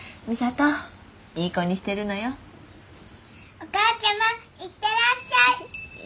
お母ちゃま行ってらっしゃい！